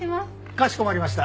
かしこまりました。